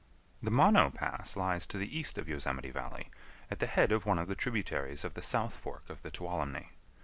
] The Mono Pass lies to the east of Yosemite Valley, at the head of one of the tributaries of the south fork of the Tuolumne.